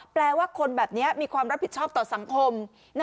แปลว่าคนแบบนี้มีความรับผิดชอบต่อสังคม